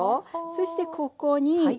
そしてここに水。